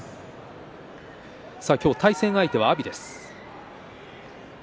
対戦相手は阿炎です。